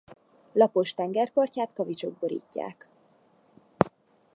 Lapos tengerpartját kavicsok borítják.